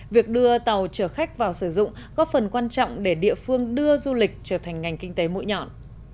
việc đưa tàu trở khách vào sử dụng góp phần quan trọng để địa phương đưa du lịch trở thành ngành kinh tế mũi nhọn